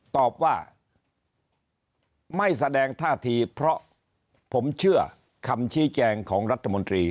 ตอบว่าไม่แสดงท่าทีเพราะผมเชื่อคำชี้แจงของรัฐมนตรี